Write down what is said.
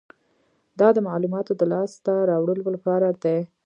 دا د معلوماتو د لاسته راوړلو لپاره دی.